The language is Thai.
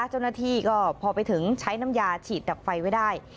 เจ้าหน้าที่ก็พอไปถึงใช้น้ำยาฉีดดับไฟไว้ได้